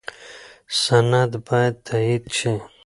سند باید تایید شي.